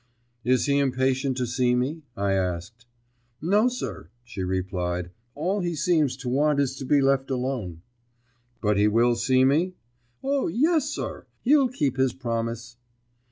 "Is he impatient to see me?" I asked. "No, sir," she replied. "All he seems to want is to be left alone." "But he will see me?" "O, yes, sir! He'll keep his promise."